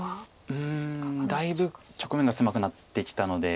うんだいぶ局面が狭くなってきたので。